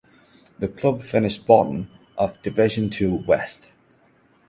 The club finished bottom of Division Two West.